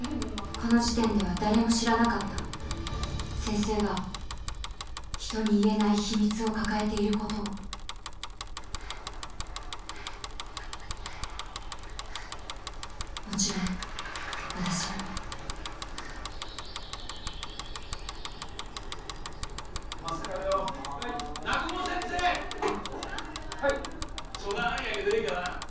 この時点では誰も知らなかった先生が人に言えない秘密を抱えていることをもちろん私もまっすぐ帰れよはい南雲先生はい相談あるんやけどええかな